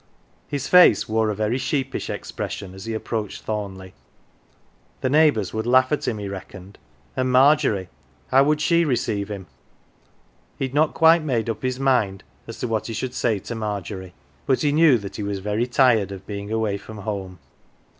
His face wore a very sheepish expression as he approached Thornleigh ; the neighbours would laugh at him, he reckoned, and Margery how would she receive him ? He had not quite made up his mind as to what he should say to Margery, but he knew that he was very tired of being away from home.